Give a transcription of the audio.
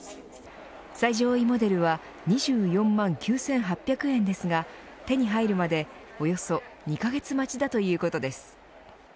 最上位モデルは２４万９８００円ですが手に入るまで、およそ２カ月待ちだということです。